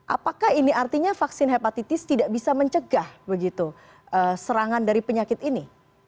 apakah ini artinya vaksin hepatitis tidak bisa mencegah begitu serangan dari penyakit ini